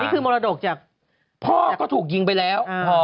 มรดกจากพ่อก็ถูกยิงไปแล้ว